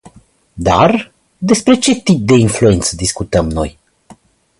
Dar, despre ce tip de influență discutăm noi?